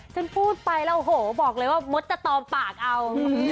ฉันพูดไปแล้วโหบอกเลยว่ามดจะตอมปากเอา